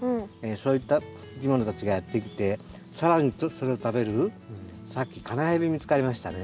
そういったいきものたちがやって来て更にそれを食べるさっきカナヘビ見つかりましたね。